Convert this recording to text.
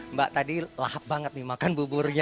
mbak tadi lahap banget nih makan buburnya